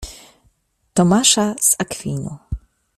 Tomasza z Akwinu.